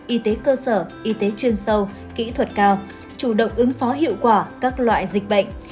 y tế cơ sở y tế chuyên sâu kỹ thuật cao chủ động ứng phó hiệu quả các loại dịch bệnh